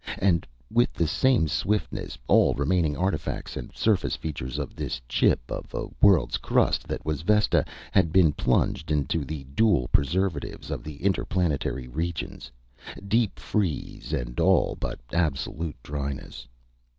And, with the same swiftness, all remaining artifacts and surface features of this chip of a world's crust that was Vesta, had been plunged into the dual preservatives of the interplanetary regions deep freeze and all but absolute dryness.